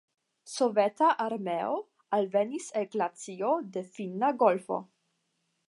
Soveta armeo alvenis el glacio de Finna golfo.